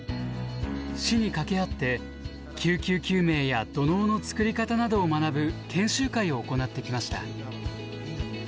市に掛け合って救急救命や土のうの作り方などを学ぶ研修会を行ってきました。